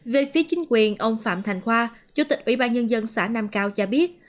về phía chính quyền ông phạm thành khoa chủ tịch ủy ban nhân dân xã nam cao cho biết